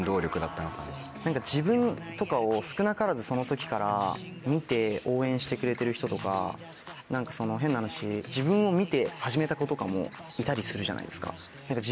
自分とかを少なからずその時から見て応援してくれてる人とか何か変な話自分を見て始めた子とかもいたりするじゃないですか。